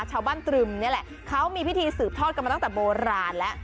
ตรึมนี่แหละเขามีพิธีสืบทอดกันมาตั้งแต่โบราณแล้ว